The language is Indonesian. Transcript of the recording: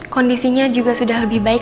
kondisinya juga sudah lebih baik